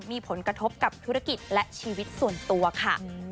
มีผลกระทบกับธุรกิจและชีวิตส่วนตัวค่ะ